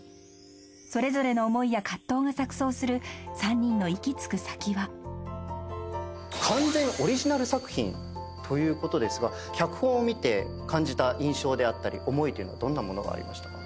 ［それぞれの思いや葛藤が錯綜する３人の行き着く先は］ということですが脚本を見て感じた印象であったり思いというのはどんなものがありましたか？